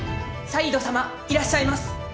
・サイードさまいらっしゃいます。